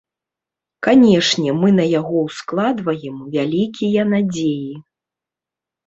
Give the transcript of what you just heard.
Канешне, мы на яго ўскладваем вялікія надзеі.